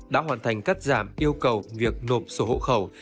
đã hoàn thành cắt giảm yêu cầu việc nộp sổ hộ khẩu